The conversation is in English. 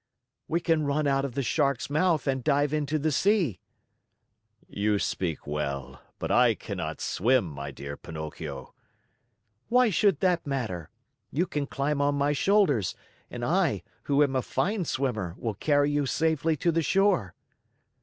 "We can run out of the Shark's mouth and dive into the sea." "You speak well, but I cannot swim, my dear Pinocchio." "Why should that matter? You can climb on my shoulders and I, who am a fine swimmer, will carry you safely to the shore."